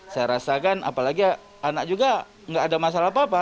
saya rasakan apalagi anak juga nggak ada masalah apa apa